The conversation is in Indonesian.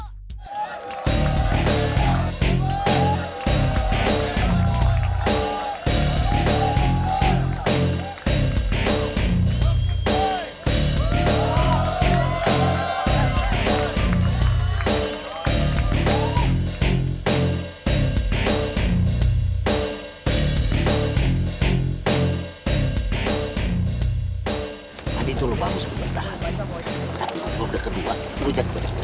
jangan lupa subscribe channel ini